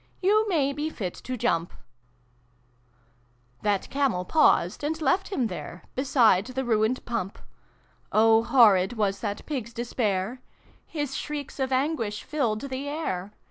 You may be fit to jump!' xxin] THE PIG TALE. 367 That Camel passed, and left him there Beside the ruined Pump. Oh, horrid was that Pig's despair ! His shrieks of anguish filled the air.